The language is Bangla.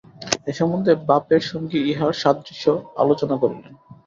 এ সম্বন্ধে বাপের সঙ্গে ইহার সাদৃশ্য আলোচনা করিলেন।